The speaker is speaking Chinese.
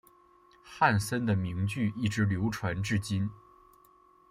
汉森的名句一直流传至今。